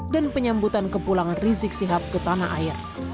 dan penyambutan kepulangan rizik sihat ke tanah air